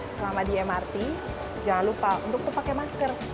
selama di mrt jangan lupa untuk pakai masker